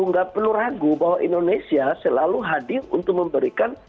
nggak perlu ragu bahwa indonesia selalu hadir untuk memberikan